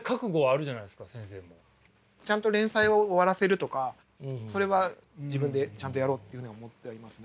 ちゃんと連載を終わらせるとかそれは自分でちゃんとやろうっていうふうには思ってはいますね。